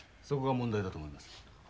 そこが問題だと思います。